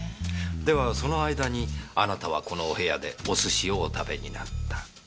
ではその間にあなたはこのお部屋でお寿司をお食べになった。